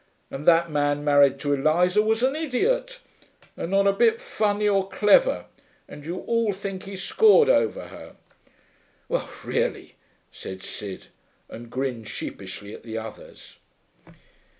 And that man married to Eliza was an idiot, and not a bit funny or clever, and you all think he scored over her.' 'Well, really,' said Sid, and grinned sheepishly at the others.